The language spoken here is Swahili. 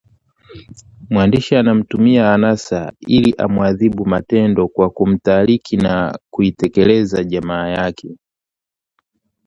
Mwandishi anamtumia Anasa ili amwadhibu Matemo kwa kumtaliki na kuitelekeza jamaa yake